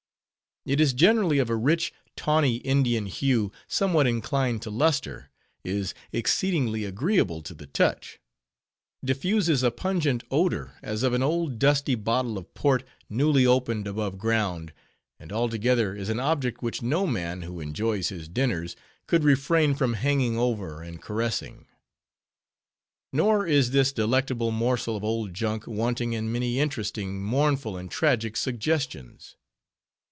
It is generally of a rich, tawny, Indian hue, somewhat inclined to luster; is exceedingly agreeable to the touch; diffuses a pungent odor, as of an old dusty bottle of Port, newly opened above ground; and, altogether, is an object which no man, who enjoys his dinners, could refrain from hanging over, and caressing. Nor is this delectable morsel of old junk wanting in many interesting, mournful, and tragic suggestions.